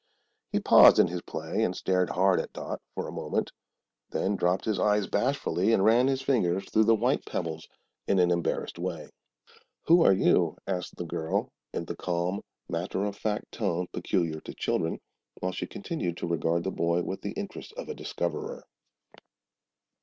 He paused in his play and stared hard at Dot for a moment; then dropped his eyes bashfully and ran his fingers through the white pebbles in an embarrassed way. "Who are you?" asked the girl, in the calm, matter of fact tone peculiar to children, while she continued to regard the boy with the interest of a discoverer.